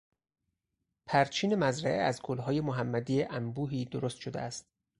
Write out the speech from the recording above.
پرچین مزرعه از گلهای محمدی انبوهی درست شده است.